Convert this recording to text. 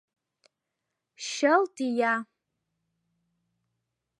Чылт ия!..